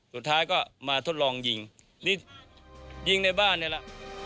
สุดท้ายก็มาทดลองยิงยิงในบ้านเนี่ยล่ะ